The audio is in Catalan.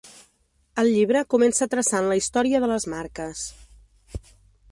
El llibre comença traçant la història de les marques.